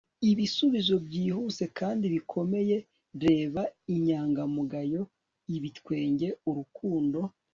ibisubizo byihuse kandi bikomeye, reba inyangamugayo, ibitwenge, urukundo